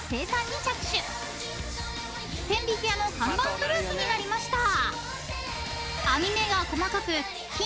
［千疋屋の看板フルーツになりました］